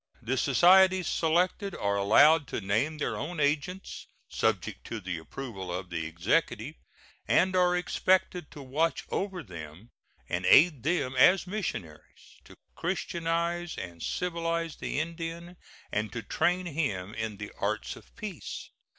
The societies selected are allowed to name their own agents, subject to the approval of the Executive, and are expected to watch over them and aid them as missionaries, to Christianize and civilize the Indian, and to train him in the arts of peace.